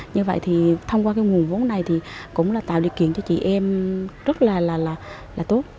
như vậy thì thông qua cái nguồn vốn này thì cũng là tạo điều kiện cho chị em rất là tốt